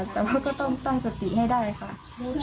แต่ว่าก็ต้องตั้งสติให้ได้ค่ะ